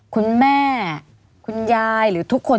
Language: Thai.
ไม่มีครับไม่มีครับ